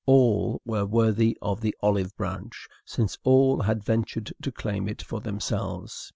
all were worthy of the olive branch, since all had ventured to claim it for themselves.